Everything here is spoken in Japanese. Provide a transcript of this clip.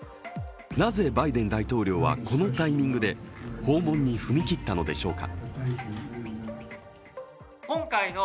なぜバイデン大統領はこのタイミングで訪問に踏み切ったのでしょうか。